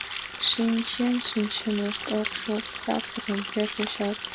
Шинчен шинчымышт ок шу — тракторым пеш вучат.